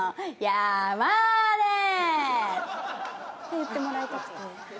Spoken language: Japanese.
山根！」。って言ってもらいたくて。